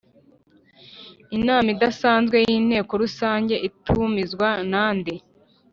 Inama idasanzwe y Inteko Rusange itumizwa nande